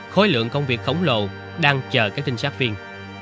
khối lượng công việc khổng lồ đang chờ các trinh sát viên